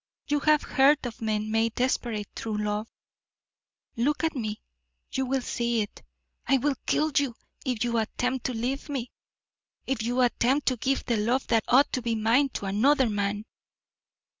You have heard of men made desperate through love: look at me, you will see it. I will kill you if you attempt to leave me if you attempt to give the love that ought to be mine to another man!"